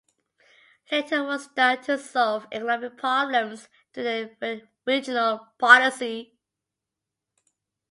Little was done to solve economic problems through a regional policy.